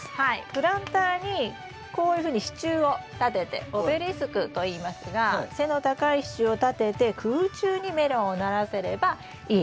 プランターにこういうふうに支柱を立ててオベリスクといいますが背の高い支柱を立てて空中にメロンをならせればいい。